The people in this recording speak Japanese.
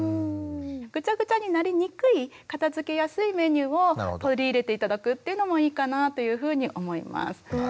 ぐちゃぐちゃになりにくい片づけやすいメニューを取り入れて頂くっていうのもいいかなというふうに思います。